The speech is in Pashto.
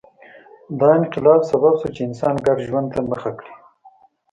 دا انقلاب سبب شو چې انسان ګډ ژوند ته مخه کړي